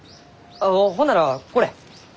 あほんならこれ。